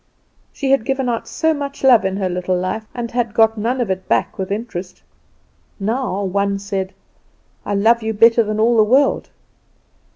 She had given out so much love in her little life, and had got none of it back with interest. Now one said, "I love you better than all the world."